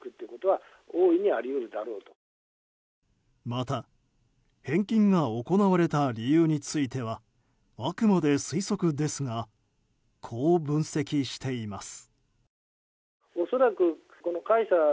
また、返金が行われた理由についてはあくまで推測ですがこう分析しています。